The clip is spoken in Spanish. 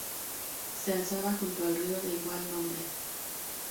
Se alzaba junto al río de igual nombre.